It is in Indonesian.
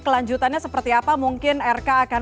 kelanjutannya seperti apa mungkin rk akan